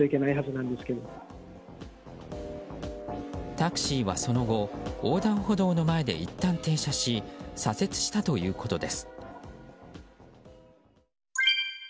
タクシーはその後横断歩道の前でいったん停車し左折したということです。